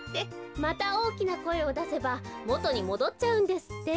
またおおきなこえをだせばもとにもどっちゃうんですって。